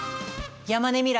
山根未来